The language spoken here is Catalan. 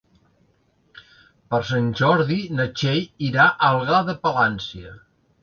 Per Sant Jordi na Txell irà a Algar de Palància.